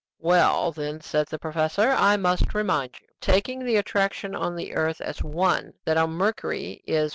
"Well, then," said the professor, "I must remind you. Taking the attraction on the earth as 1, that on Mercury is 1.